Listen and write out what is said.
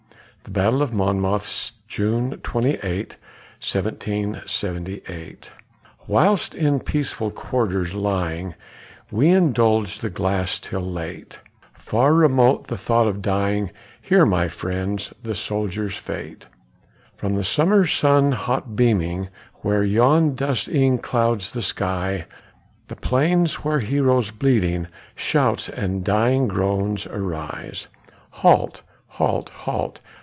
THE BATTLE OF MONMOUTH [June 28, 1778] Whilst in peaceful quarters lying We indulge the glass till late, Far remote the thought of dying, Hear, my friends, the soldier's fate: From the summer's sun hot beaming, Where yon dust e'en clouds the skies, To the plains where heroes bleeding, Shouts and dying groans arise. Halt! halt! halt!